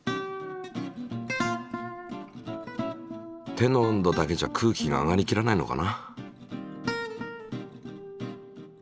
手の温度だけじゃ空気が上がりきらないのかな。